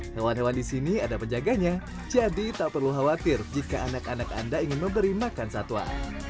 hewan hewan di sini ada penjaganya jadi tak perlu khawatir jika anak anak anda ingin memberi makan satwa